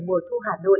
ngay lúc mùa thu hà nội